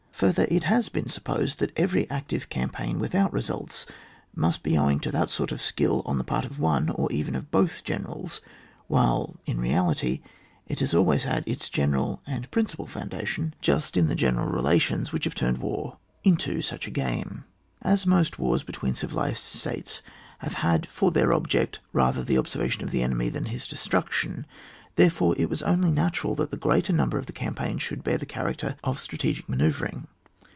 Further, it has been supposed that every active campaign without results must be owing to that sort of skill on the part of one, or even of both generals, while in reality it has always had its general and principal foundation 206 ON WAR, [book VI. just in the general relations which have turned war into such a game. As most wars between civilised states have had for their object rather the obser vation of the enemy than his destruction, therefore it was only natural that the greater number of the campaigns should bear the character of strategic manoeuv ring.